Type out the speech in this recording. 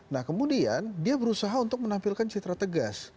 nah kemudian dia berusaha untuk menampilkan citra tegas